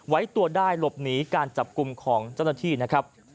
ไว้ตัวได้หลบหนีการจับกลุ่มของเจ้าหน้าที่นะครับ